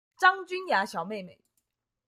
張君雅小妹妹